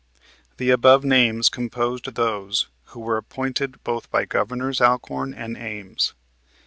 The above names composed those who were appointed both by Governors Alcorn and Ames.